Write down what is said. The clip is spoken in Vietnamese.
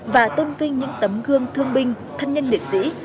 và tôn vinh những tấm gương thương binh thân nhân liệt sĩ